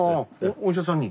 お医者さんに。